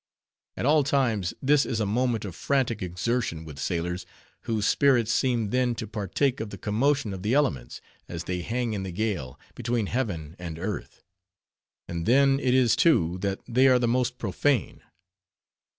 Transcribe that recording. At all times, this is a moment of frantic exertion with sailors, whose spirits seem then to partake of the commotion of the elements, as they hang in the gale, between heaven and earth; and then it is, too, that they are the most profane.